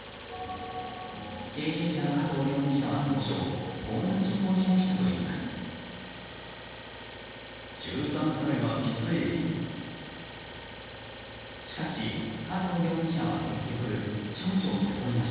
経営者の加藤容疑者は当初こう難色を示したといいます。